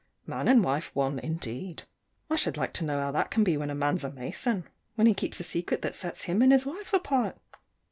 Man and wife one, indeed! I should like to know how that can be when a man's a Mason when he keeps a secret that sets him and his wife apart?